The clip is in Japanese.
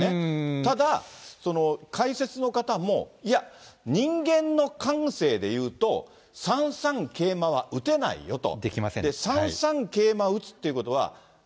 ただ、解説の方も、いや、人間の感性でいうと、３三桂馬は打てないよと。